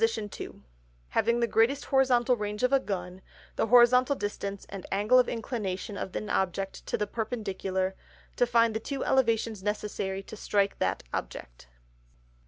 _ Having the greatest Horizontal Range of a Gun, the Horizontal Distance and Angle of Inclination of an Object to the Perpendicular, to find the two Elevations necessary to strike that Object.